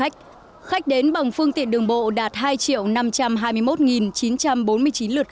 khách đến bằng phương tiện đường bộ đạt hai triệu năm trăm hai mươi năm